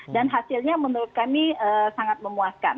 dan hasilnya menurut kami sangat memuaskan